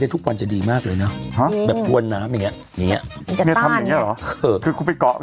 ในกระแสน้ำที่เท่ากันความแรงที่เท่ากัน